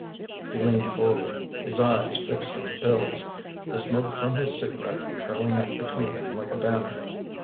He leaned forward, his eyes fixed on Bill's, the smoke from his cigarette curling up between them like a banner.